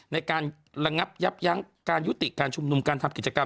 ในการระงับยับยั้งการยุติการชุมนุมการทำกิจกรรม